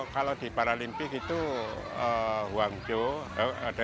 kalau di parlimpiade itu wang chou